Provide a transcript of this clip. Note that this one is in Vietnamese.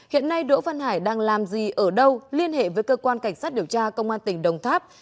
hiện nay đỗ văn hải đang làm gì ở đâu liên hệ với cơ quan cảnh sát điều tra công an tỉnh đồng tháp